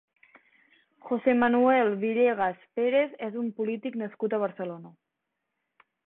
José Manuel Villegas Pérez és un polític nascut a Barcelona.